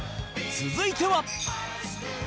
続いては